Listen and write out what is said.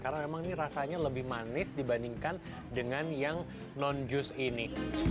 karena memang ini rasanya lebih manis dibandingkan dengan yang non juice ini